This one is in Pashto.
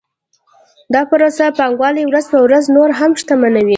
دا پروسه پانګوال ورځ په ورځ نور هم شتمنوي